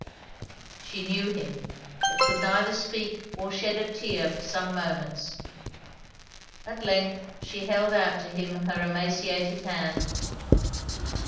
She knew him; but could neither speak or shed a tear for some moments. At length, she held out to him her emaciated hand.